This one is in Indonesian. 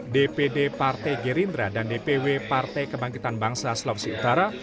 dpd partai gerindra dan dpw partai kebangkitan bangsa sulawesi utara